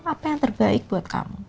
apa yang terbaik buat kamu